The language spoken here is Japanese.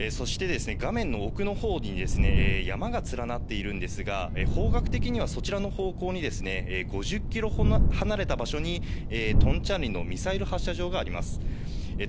そしてですね、画面の奥の方にですね、山が連なっているんですが、方角的には、そちらの方向にですね、５０キロほど離れた場所にトンチャンリのミサイル発射場があります。